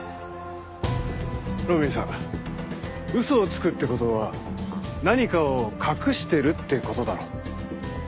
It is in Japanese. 路敏さ嘘をつくって事は何かを隠してるって事だろ。